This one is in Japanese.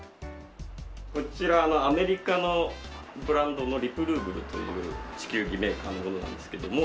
こちらアメリカのブランドのリプルーグルという地球儀メーカーのものなんですけども。